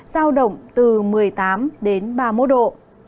giao động từ một mươi tám đến ba mươi một độ